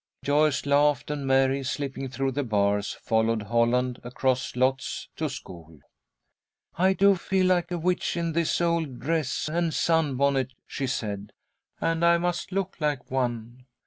'" Joyce laughed, and Mary, slipping through the bars, followed Holland across lots to school. "I do feel like a witch in this old dress and sunbonnet," she said, "and I must look like one.